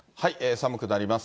寒くなります。